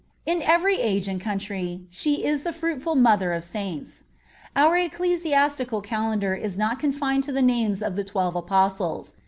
In every age and country she is the fruitful mother of saints. Our Ecclesiastical calendar is not confined to the names of the twelve Apostles.